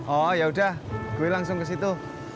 oh yaudah gue langsung kesitu